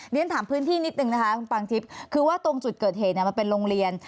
แล้วถามพื้นที่นิดหนึ่งนะคะคุณปังทิบตรงจุดเกิดเหตุมันเป็นโรงเรียน